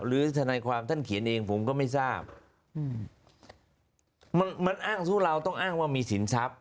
ทนายความท่านเขียนเองผมก็ไม่ทราบอืมมันมันอ้างสู้เราต้องอ้างว่ามีสินทรัพย